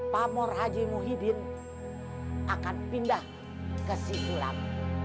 pamur haji muhyiddin akan pindah ke si sulam